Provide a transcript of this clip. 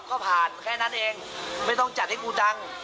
ก็ผ่านแค่นั้นเองไม่ต้องจัดให้กูดัง